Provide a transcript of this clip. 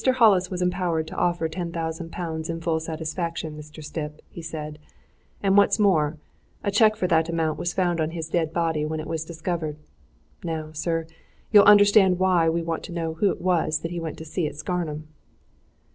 Hollis was empowered to offer ten thousand pounds in full satisfaction, Mr. Stipp," he said. "And what's more a cheque for that amount was found on his dead body when it was discovered. Now, sir, you'll understand why we want to know who it was that he went to see at Scarnham!"